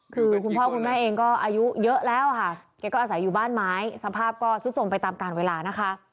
คือคุณพ่อคุณแม่เองก็อายุเยอะแล้วค่ะแกก็อาศัยอยู่บ้านไม้สภาพก็ซุดสมไปตามการเวลานะคะ